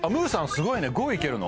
すごいね５いけるの？